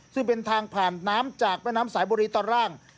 ซึ่งเป็นทางผ่านน้ำจากแม่น้ำสายบุรีตอนล่าง